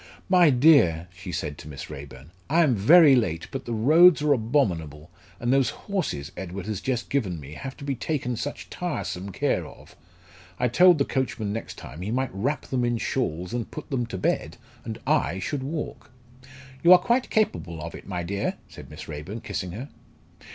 "My dear!" she said to Miss Raeburn, "I am very late, but the roads are abominable, and those horses Edward has just given me have to be taken such tiresome care of. I told the coachman next time he might wrap them in shawls and put them to bed, and I should walk." "You are quite capable of it, my dear," said Miss Raeburn, kissing her.